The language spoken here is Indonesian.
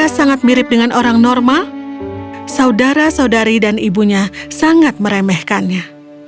seorang normal saudara saudari dan ibunya sangat meremehkannya